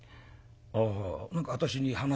「ああ何か私に話が？はあ。